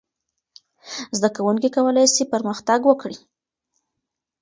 زده کوونکي کولای سي پرمختګ وکړي.